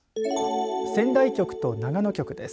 仙台局と長野局です。